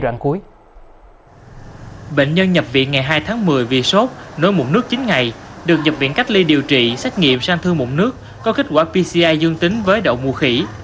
được dập viện cách ly điều trị xét nghiệm sang thương mụn nước có kết quả pci dương tính với đậu mù khỉ